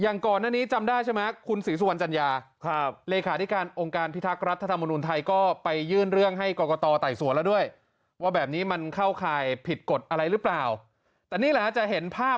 อย่างก่อนอันนี้จำได้ใช่ไหมคุณศรีสวรรค์จัญญา